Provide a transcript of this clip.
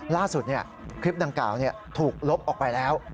ล่าสุดคลิปดังกล่าวถูกลบออกไปแล้ว